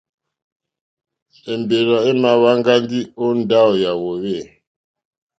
Èmbèrzà èmà wáŋgá ndí ó ndáwù yà hwòhwê.